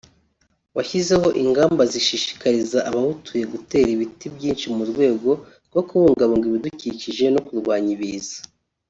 washyizeho ingamba zishishikariza abawutuye gutera ibiti byinshi mu rwego rwo kubungabunga ibidukikije no kurwanya Ibiza